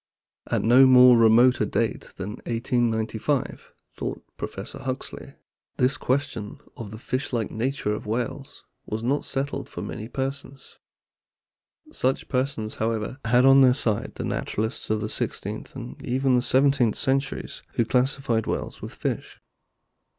At no more remote a date than 1895, thought Professor Huxley,* this question of the fish like nature of whales was not settled for many persons. Such persons, however, had on their side the naturalists of the sixteenth and even the seventeenth centuries, who classified whales with fish.